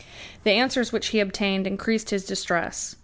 The answers which he obtained increased his distress.